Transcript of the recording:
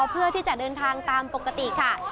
เพื่อที่จะเดินทางตามปกติค่ะ